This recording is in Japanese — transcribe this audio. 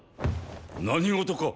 何事か！